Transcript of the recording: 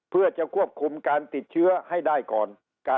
เพื่อจะควบคุมการติดเชื้อให้ได้ก่อน